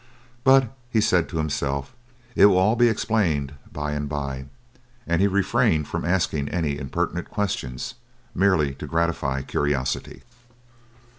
But he said to himself, "It will all be explained by and by," and he refrained from asking any impertinent questions merely to gratify curiosity.